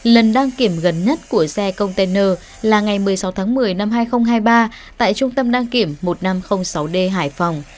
lần đăng kiểm gần nhất của xe container là ngày một mươi sáu tháng một mươi năm hai nghìn hai mươi ba tại trung tâm đăng kiểm một nghìn năm trăm linh sáu d hải phòng